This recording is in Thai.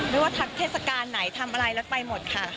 ไม่ว่าทักเทศกาลไหนทำอะไรแล้วไปหมดค่ะ